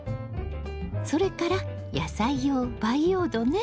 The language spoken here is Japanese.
それから野菜用培養土ね。